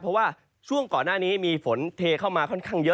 เพราะว่าช่วงก่อนหน้านี้มีฝนเทเข้ามาค่อนข้างเยอะ